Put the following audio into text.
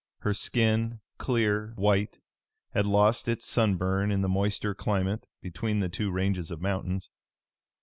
Her skin, clear white, had lost its sunburn in the moister climate between the two ranges of mountains.